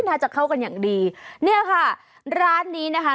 น่าจะเข้ากันอย่างดีเนี่ยค่ะร้านนี้นะคะ